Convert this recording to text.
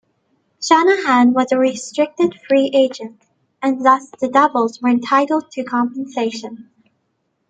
Shanahan was a restricted free agent, and thus the Devils were entitled to compensation.